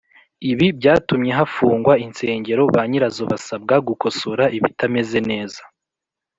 Ibi byatumye hafungwa insengero ba nyirazo basabwa gukosora ibitameze neza